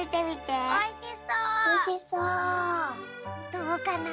どうかな？